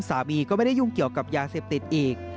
สามีก็ไม่ได้ยุ่งเกี่ยวกับยาเสพติดอีก